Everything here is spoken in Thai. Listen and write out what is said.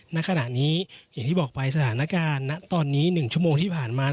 ณขณะนี้อย่างที่บอกไปสถานการณ์ณตอนนี้๑ชั่วโมงที่ผ่านมา